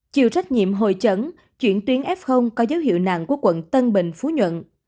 chiều trách nhiệm hồi chẩn chuyển tuyến f có dấu hiệu nặng của quận tân bình phú nhuận